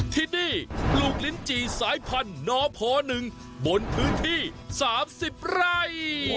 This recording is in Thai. ที่นี่ปลูกลิ้นจี่สายพันธุ์นพ๑บนพื้นที่๓๐ไร่